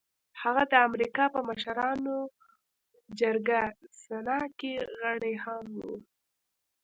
هغه د امريکا په مشرانو جرګه سنا کې غړی هم و.